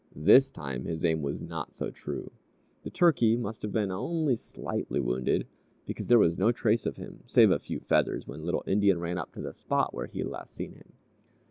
This time, his aim was not so true; the turkey must have been only slightly wounded, because there was no trace of him, save a few feathers, when little Indian ran up to the spot where he had last seen him.